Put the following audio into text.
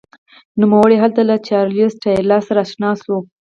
نوموړی هلته له چارلېز ټایلر سره اشنا شو.